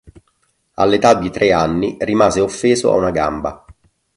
All'età di tre anni rimase offeso a una gamba.